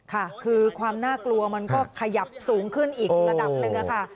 ค่ะคือความน่ากลัวมันก็ขยับสูงขึ้นอีกระดับหนึ่งค่ะ